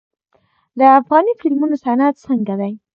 د افغاني فلمونو صنعت څنګه دی؟